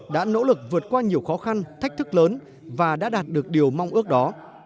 đã nỗ lực vượt qua nhiều khó khăn thách thức lớn và đã đạt được điều mong ước đó